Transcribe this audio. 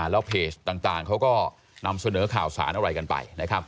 แล้วเพจต่างเขาก็นำเสนอข่าวสารอะไรกันไป